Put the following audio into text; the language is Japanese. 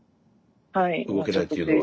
動けないっていうのは。